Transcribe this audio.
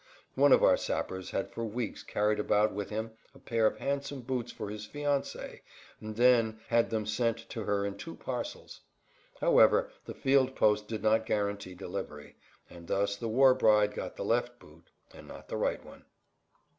One of our sappers had for weeks carried about with him a pair of handsome boots for his fiancée and then had them sent to her in two parcels. However, the field post did not guarantee delivery; and thus the war bride got the left boot, and not the right one.